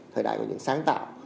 thời đại của những sáng tạo